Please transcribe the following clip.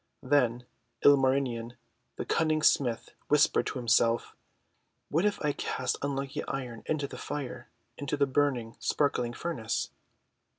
Then Ilmarinen the Cunning Smith whispered to himself: — "What if I cast unlucky Iron into the Fire, into the burning, sparkling furnace?'